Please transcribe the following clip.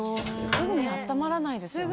すぐに暖まらないですよね。